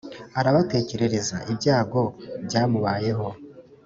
arabatekerereza ibyago byamubayeho,